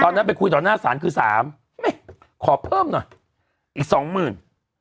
ตอนนั้นไปคุยตอนหน้าศาลคือสามไม่ขอเพิ่มหน่อยอีกสองหมื่น